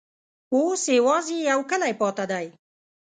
اوس یوازي یو کلی پاته دی.